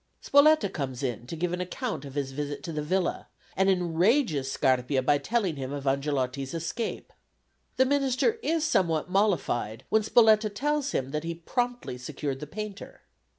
Spoletta comes in to give an account of his visit to the villa, and enrages Scarpia by telling him of Angelotti's escape. The minister is somewhat mollified when Spoletta tells him that he promptly secured the painter.